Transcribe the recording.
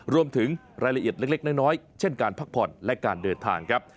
รวมถึงรายละเอียดเล็กน้อยเช่นการพักผ่อนและการเดินทางครับ